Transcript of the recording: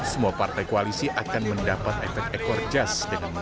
semua partai koalisi akan mendapat efek ekor jas